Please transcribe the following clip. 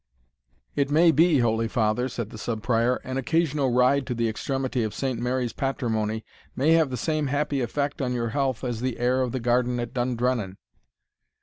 "It may be, holy father," said the Sub Prior, "an occasional ride to the extremity of Saint Mary's patrimony, may have the same happy effect on your health as the air of the garden at Dundrennan."